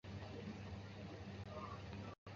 如江西高腔的各种演出仍以演历史戏为主。